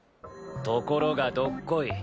ところがどっこい